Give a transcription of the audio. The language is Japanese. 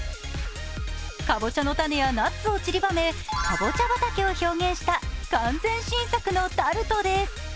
かぼちゃの種やナッツをちりばめ、かぼちゃ畑を表現した完全新作のタルトです。